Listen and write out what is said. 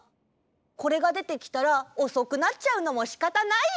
これがでてきたらおそくなっちゃうのもしかたないよ。